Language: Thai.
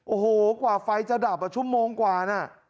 โอ้โหกว่าไฟจะดับชั่วโมงกว่านะ